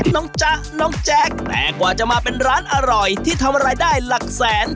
จ๊ะน้องแจ๊คแต่กว่าจะมาเป็นร้านอร่อยที่ทำรายได้หลักแสน